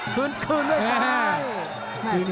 คืนด้วยซ้าย